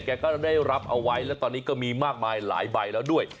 แกก็ได้รับเอาไว้แล้วตอนนี้ก็มีมากมายหลายใบแล้วด้วย